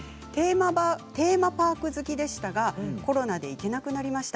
テーマパーク好きでしたがコロナで行けなくなりました。